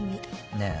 ねえ。